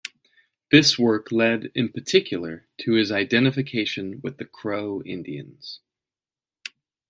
This work led in particular to his identification with the Crow Indians.